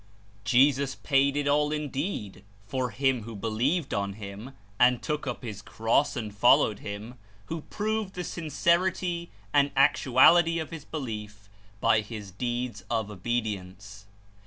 Jesus paid It all indeed for him who believed on Him and took up his cross and followed him, who proved the sin cerity and actuality of his belief by his deeds of obedience.